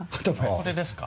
これですか？